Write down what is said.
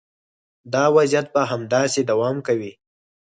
دا وضعیت به همداسې دوام کوي.